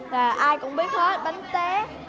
và ai cũng biết hết bánh té